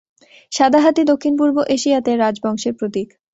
সাদা হাতি দক্ষিণ পূর্ব এশিয়াতে রাজ বংশের প্রতীক।